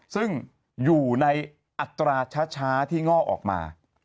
ซึ่งอยู่ในอัตราช้าที่ง่อออกมา